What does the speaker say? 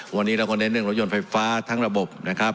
วันนี้เราก็เน้นเรื่องรถยนต์ไฟฟ้าทั้งระบบนะครับ